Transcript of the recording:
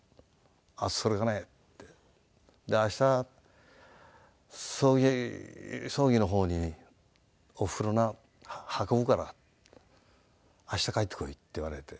「それとね明日葬儀葬儀の方におふくろな運ぶから明日帰ってこい」って言われて。